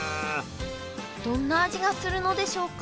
どんな味がするのでしょうか？